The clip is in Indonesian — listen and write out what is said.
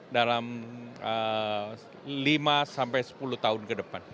dalam lima sampai sepuluh tahun ke depan